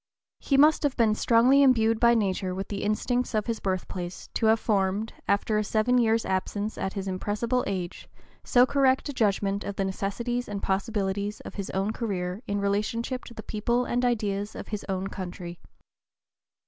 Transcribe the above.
He must have been strongly imbued by nature with the instincts of his birthplace to have formed, after a seven years' absence at his impressible age, so correct a judgment of the necessities and possibilities of his own career in relationship to the people and ideas of his own country.